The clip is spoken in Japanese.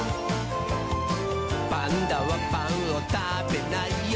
「パンダはパンをたべないよ」